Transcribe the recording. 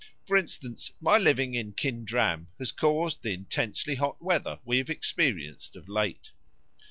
For instance, my living in Kindram has caused the intensely hot weather we have experienced of late."